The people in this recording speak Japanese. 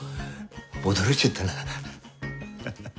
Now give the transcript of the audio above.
驚いちゃったなハハ。